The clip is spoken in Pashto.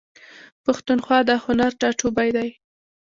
پښتونخوا د هنر ټاټوبی دی.